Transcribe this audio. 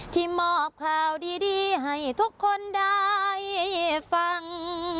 มอบข่าวดีให้ทุกคนได้ฟัง